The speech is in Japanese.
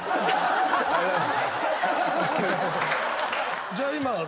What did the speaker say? じゃあ今。